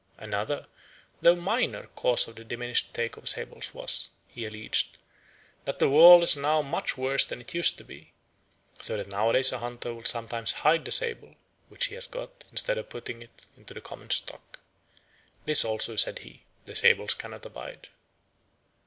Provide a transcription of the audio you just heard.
Another, though minor, cause of the diminished take of sables was, he alleged, that the world is now much worse than it used to be, so that nowadays a hunter will sometimes hide the sable which he has got instead of putting it into the common stock. This also, said he, the sables cannot abide.